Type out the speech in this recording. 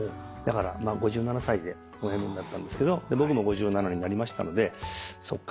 ５７歳でおやめになったんですけど僕も５７になりましたのでそっか